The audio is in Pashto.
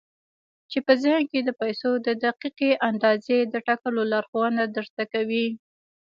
چې په ذهن کې د پيسو د دقيقې اندازې د ټاکلو لارښوونه درته کوي.